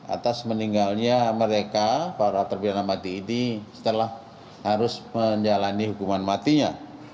atas meninggalnya mereka para terpidana mati ini setelah harus menjalani hukuman matinya